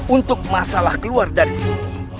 untuk masalah keluar dari sini